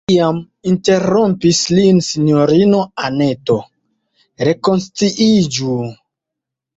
Tiam interrompis lin sinjorino Anneto: rekonsciiĝu!